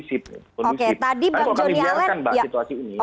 tapi kalau kami biarkan mbak situasi ini